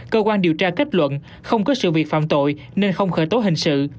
cơ quan điều tra kết luận không có sự việc phạm tội nên không khởi tố hình sự